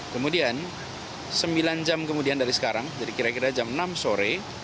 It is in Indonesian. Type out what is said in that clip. kemudian sembilan jam kemudian dari sekarang jadi kira kira jam enam sore